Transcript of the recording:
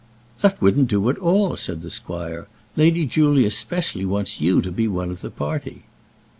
"That wouldn't do at all," said the squire. "Lady Julia specially wants you to be one of the party."